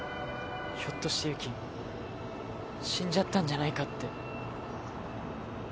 ひょっとしてユキ死んじゃったんじゃないかって。